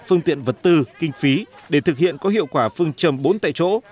phương tiện vật tư kinh phí để thực hiện có hiệu quả phương châm bốn tại chỗ